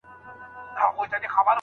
خو هېر کړی هر یوه وروستی ساعت وي